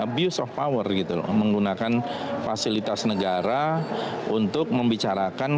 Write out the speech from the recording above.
abuse of power gitu loh menggunakan fasilitas negara untuk membicarakan